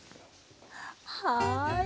はい。